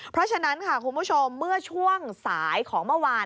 เพราะฉะนั้นค่ะคุณผู้ชมเมื่อช่วงสายของเมื่อวาน